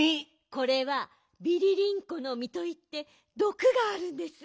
これはビリリンコのみといってどくがあるんです。